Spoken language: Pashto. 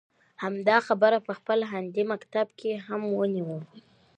همدا خبره په خپل هندي مکتب کې هم وينو.